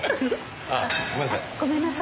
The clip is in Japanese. ああごめんなさい。